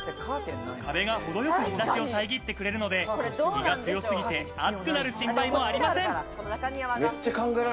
壁が程よく日差しを遮ってくれるので、日が強すぎて暑くなる心配もありません。